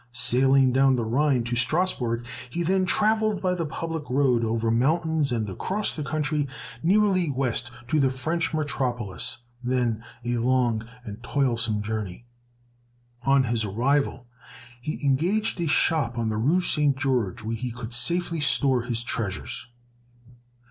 Sailing down the Rhine to Strasbourg, he then travelled by the public road over mountains and across the country nearly west to the French metropolis, then a long and toilsome journey. On his arrival, he engaged a shop on the Rue St. George, where he could safely store his treasures.